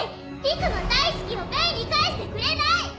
理久の大好きをメイに返してくれない！